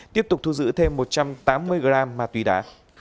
tiếp tục thu giữ thêm một trăm tám mươi g ma túy đá